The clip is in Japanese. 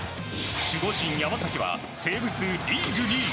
守護神・山崎はセーブ数リーグ２位。